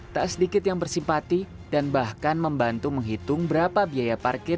tak sedikit yang bersimpati dan bahkan membantu menghitung berapa biaya parkir